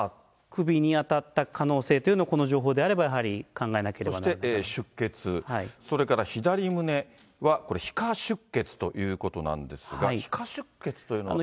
首に当たった可能性というのもこの情報であればやはり考えなそして出血、それから左胸はこれ、皮下出血ということなんですが、皮下出血というのは。